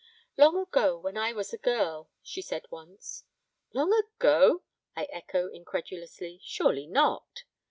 'Long ago when I was a girl,' she said once. 'Long ago?' I echo incredulously, 'surely not?'